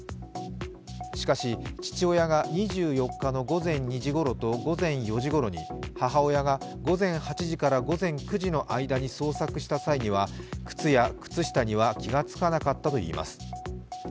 しかし、父親が２４日の午前２時ごろと、午前４時ごろに母親が午前８時から午前９時の間に捜索した際には靴や靴下には気がつかなかったといいます。